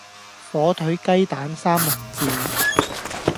火腿雞蛋三文治